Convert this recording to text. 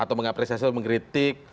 atau mengapresiasi atau mengkritik